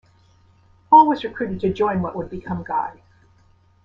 Hall was recruited to join what would become Guy.